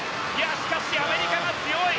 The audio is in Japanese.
しかしアメリカが強い。